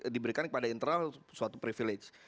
diberikan kepada internal suatu privilege